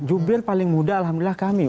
jubir paling muda alhamdulillah kami